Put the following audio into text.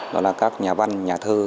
đó là các nhà văn nhà thơ